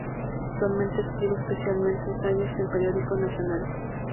Actualmente escribe especialmente ensayos en periódicos nacionales.